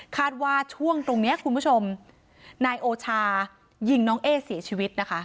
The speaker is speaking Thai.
ว่าช่วงตรงเนี้ยคุณผู้ชมนายโอชายิงน้องเอ๊เสียชีวิตนะคะ